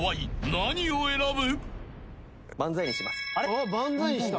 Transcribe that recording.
何を選ぶ？］